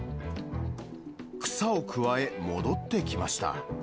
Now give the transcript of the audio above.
草をくわえ、戻ってきました。